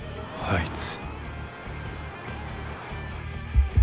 あいつ。